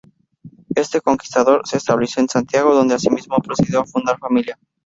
Este conquistador, se estableció en Santiago, donde asimismo procedió a fundar familia.